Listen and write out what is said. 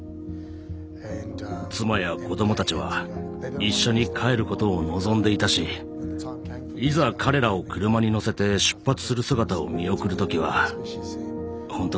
妻や子供たちは一緒に帰ることを望んでいたしいざ彼らを車に乗せて出発する姿を見送る時は本当につらかったです。